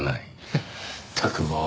フッったくもう。